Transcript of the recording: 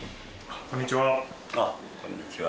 こんにちは。